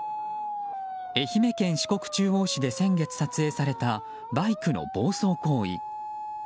愛媛県四国中央市で先月撮影されたバイクの暴走行為。